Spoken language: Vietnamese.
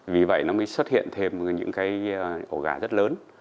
vì vậy nó mới xuất hiện thêm những cái ổ gà rất lớn